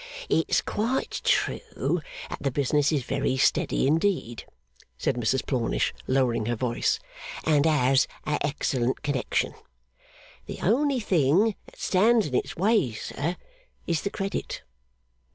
'It's quite true that the business is very steady indeed,' said Mrs Plornish, lowering her voice; 'and has a excellent connection. The only thing that stands in its way, sir, is the Credit.